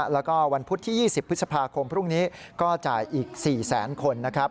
แล้วก็วันพุธที่๒๐พฤษภาคมพรุ่งนี้ก็จ่ายอีก๔แสนคนนะครับ